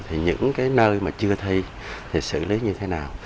thì những cái nơi mà chưa thi thì xử lý như thế nào